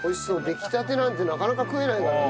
出来たてなんてなかなか食えないからね。